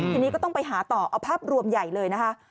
ทีนี้ก็ต้องไปหาต่อเอาภาพรวมใหญ่เลยนะคะ